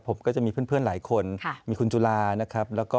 ผมก็จะมีเพื่อนหลายคนมีคุณจุลานะครับ